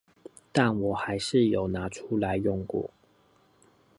但我還是有拿出來用過